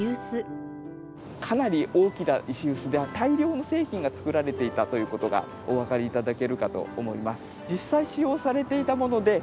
かなり大きな石臼で大量の製品が作られていたという事がおわかり頂けるかと思います。